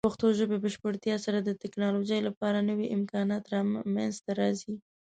د پښتو ژبې بشپړتیا سره، د ټیکنالوجۍ لپاره نوې امکانات منځته راځي.